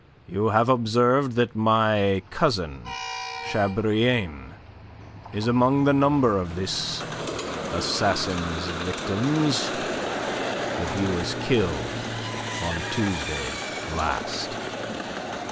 You have observed that my cousin Chabrillane is among the number of this assassin's victims; that he was killed on Tuesday last."